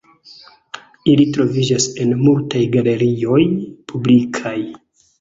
Ili troviĝas en multaj galerioj publikaj.